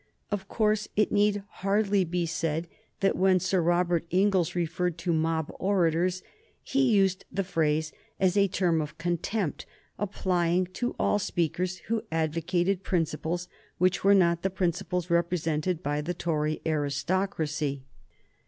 Of course it need hardly be said that when Sir Robert Inglis referred to mob orators he used the phrase as a term of contempt applying to all speakers who advocated principles which were not the principles represented by the Tory aristocracy.